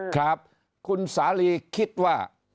ครับคุณสาลีคิดว่า